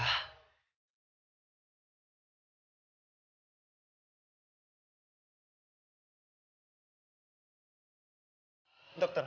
jantung putri sudah berdetak normal